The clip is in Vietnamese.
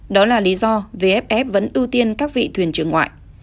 đó là lý do vff vẫn ưu tiên các vị thuyền trưởng ngoại